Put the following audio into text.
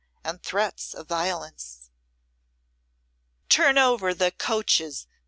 and threats of vengeance. "Turn over the coaches!